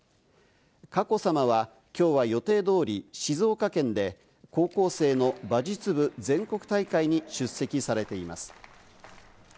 佳子さまは、きょうは予定通り、静岡県で高校生の馬術部全国大会に出席されています。